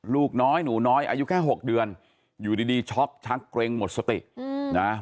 ลูกน้อยหนูน้อยอายุแค่๖เดือนอยู่ดีช็อกชักเกร็งหมดสตินะ